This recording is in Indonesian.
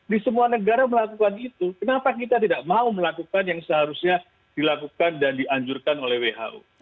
di semua negara melakukan itu kenapa kita tidak mau melakukan yang seharusnya dilakukan dan dianjurkan oleh who